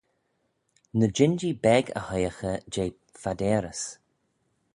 Ny jean-jee beg y hoiaghey jeh phadeyrys.